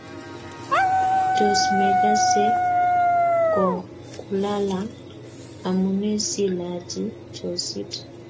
Tos mekase kolalang'?amune si lachii chosit